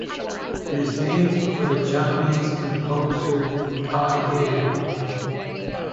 It is named for the Chinese composer Cai Yan.